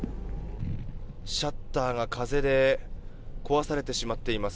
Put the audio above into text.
シャッターが風で壊されてしまっています。